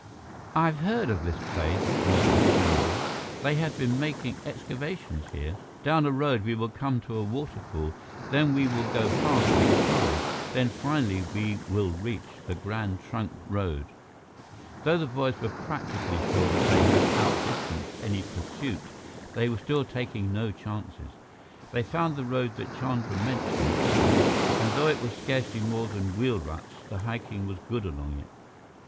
"I have heard of this place," nodded Chandra. "They have been making excavations here. Down a road we will come to a waterfall, then we will go past big quarries, then finally we will reach the Grand Trunk Road." Though the boys were practically sure that they had outdistanced any pursuit, they still were taking no chances. They found the road that Chandra mentioned, and though it was scarcely more than wheel ruts, the hiking was good along it.